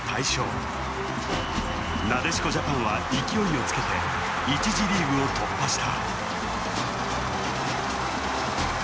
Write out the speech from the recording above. なでしこジャパンは勢いをつけて１次リーグを突破した。